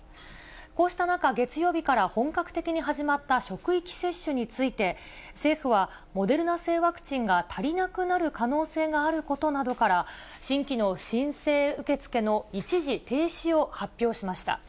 こうした中、月曜日から本格的に始まった職域接種について、政府はモデルナ製ワクチンが足りなくなる可能性があることなどから、新規の申請受け付けの一時停止を発表しました。